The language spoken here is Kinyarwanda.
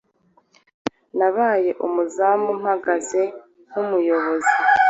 Nabaye umuzamumpagaze nkumuyobozi